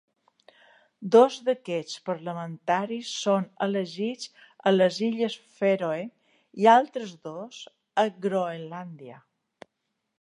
Dos d'aquests parlamentaris són elegits a les Illes Fèroe i altres dos a Groenlàndia.